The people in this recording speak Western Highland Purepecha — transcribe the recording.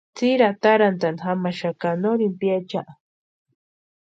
Tsiri atarantʼani jamaxaka nori piachiaa.